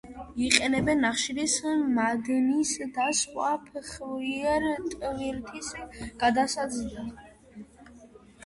იყენებენ ნახშირის მადნისა და სხვა ფხვიერი ტვირთის გადასაზიდად.